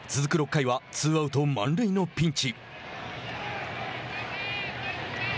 ６回はツーアウト、満塁のピンチ。